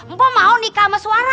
mpo mau nikah sama suara